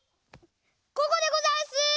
ここでござんす！